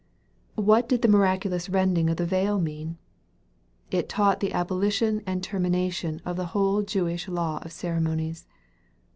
What did the miraculous rending of the veil mean ? It taught the abolition and termination of the whole Jewish law of ceremonies.